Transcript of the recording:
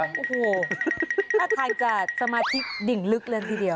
โอ้โห่ถ้าทางจากสมาธิดิ่งลึกลังเท่าทีเดียว